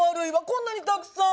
こんなにたくさん！